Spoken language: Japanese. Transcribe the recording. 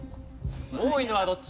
多いのはどっち？